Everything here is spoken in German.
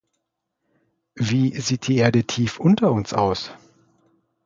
Wie sieht die Erde tief unter uns aus?